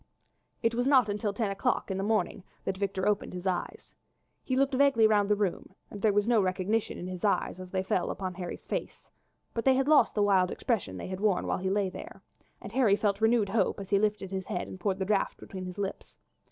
It was not until ten o'clock in the morning that Victor opened his eyes. He looked vaguely round the room and there was no recognition in his eyes as they fell upon Harry's face, but they had lost the wild expression they had worn while he had lain there, and Harry felt renewed hope as he lifted his head and poured the draught between his lips.